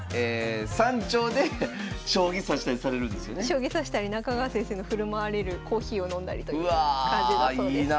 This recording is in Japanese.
将棋指したり中川先生の振る舞われるコーヒーを飲んだりという感じだそうです。